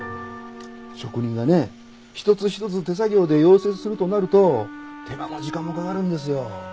職人がね一つ一つ手作業で溶接するとなると手間も時間もかかるんですよ。